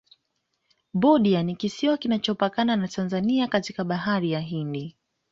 budya ni kisiwa kinachopatikana tanzania katika bahari ya hindi